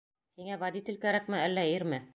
Һиңә водитель кәрәкме, әллә ирме?